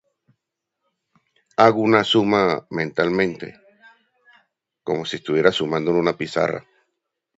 Hago una suma mentalmente. Como si estuviera sumando en una pizarra.